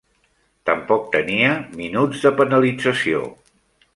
Tampoc tenia minuts de penalització.